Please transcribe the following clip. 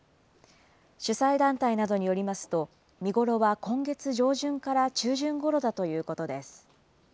主催団体などによりますと、見頃は今月上旬から中旬ごろだということです。